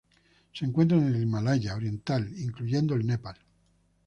Se encuentra en el Himalaya oriental, incluyendo el Nepal.